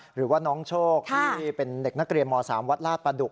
หรือว่าน้องโชคที่เป็นเด็กนักเรียนม๓วัดลาดประดุก